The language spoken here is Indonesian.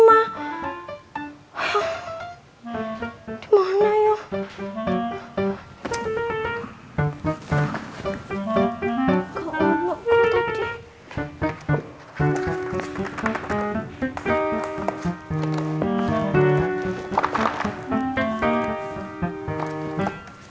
aku mau pergi dulu